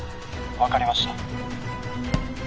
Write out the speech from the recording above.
分かりました